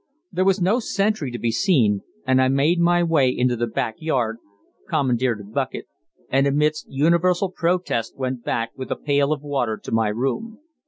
There was no sentry to be seen, and I made my way into the backyard, commandeered a bucket, and amidst universal protest went back with a pail of water to my room.